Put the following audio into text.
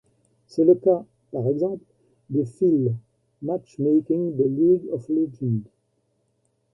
C'est le cas, par exemple, des files matchmaking de League of Legends.